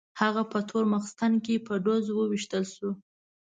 هغه په تور ماخستن کې په ډزو وویشتل شو.